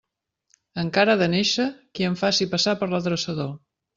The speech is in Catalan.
Encara ha de néixer qui em faci passar per l'adreçador.